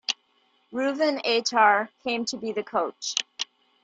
Reuven Atar came to be the coach.